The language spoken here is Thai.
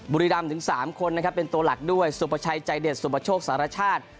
บุรีรำถึง๓คนนะครับเป็นตัวหลักด้วยสุประชัยใจเด็ดสุปโชคสารชาติ